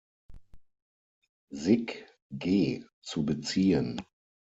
SigG zu beziehen.